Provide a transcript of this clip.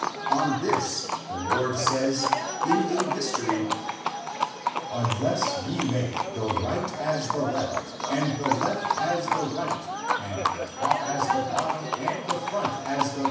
On this the Lord says in a mystery :^^^" Unless ye make the right as the left, and the left as the right, and the top as the bottom and the front as the backward, 97 Lat.